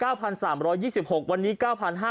เมื่อวาน๙๓๒๖วันนี้๙๕๓๙คน